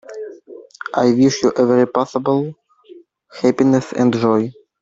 I wish you every possible happiness and joy.